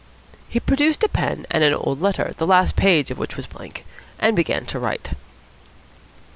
He produced a pen and an old letter, the last page of which was blank, and began to write.